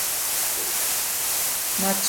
მათში დაკრძალვის წესი კარგად არაა გარკვეული.